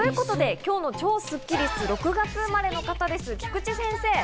今日の超スッキりすは６月生まれの方です、菊地先生。